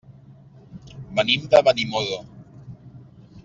Venim de Benimodo.